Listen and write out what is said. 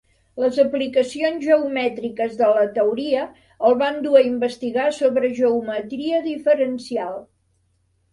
Les aplicacions geomètriques de la teoria el van dur a investigar sobre geometria diferencial.